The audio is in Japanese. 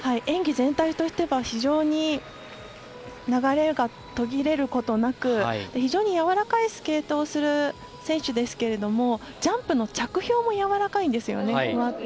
演技全体としては非常に流れが途切れることなく非常にやわらかいスケートをする選手ですけれどもジャンプの着氷もやわらかいんですよね。